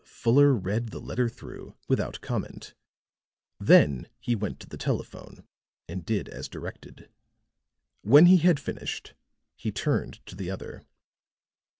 Fuller read the letter through without comment; then he went to the telephone and did as directed. When he had finished, he turned to the other.